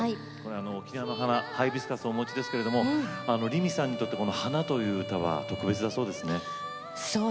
沖縄の花ハイビスカスをお持ちですけれどもりみさんにとって「花」という歌は特別だそうですね。